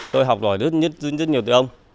tôi học đổi rất nhiều từ ông